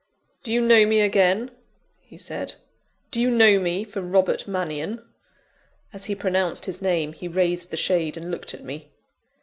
"Do you know me again?" he said. "Do you know me for Robert Mannion?" As he pronounced his name, he raised the shade and looked at me.